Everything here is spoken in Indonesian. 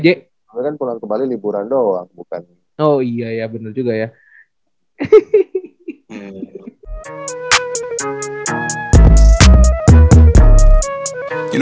gue kan pulang ke bali liburan doang bukan